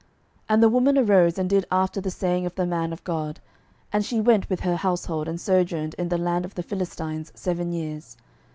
12:008:002 And the woman arose, and did after the saying of the man of God: and she went with her household, and sojourned in the land of the Philistines seven years.